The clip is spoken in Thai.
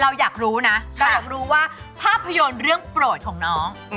เราอยากรู้นะเราอยากรู้ว่าภาพยนตร์เรื่องโปรดของน้อง